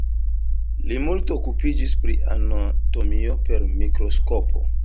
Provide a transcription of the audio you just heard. Li multe okupiĝis pri anatomio per mikroskopo.